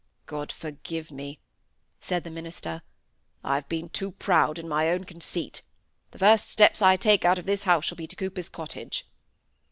"God forgive me!" said the minister. "I have been too proud in my own conceit. The first steps I take out of this house shall be to Cooper's cottage."